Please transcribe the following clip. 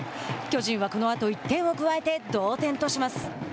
巨人はこのあと１点を加えて同点とします。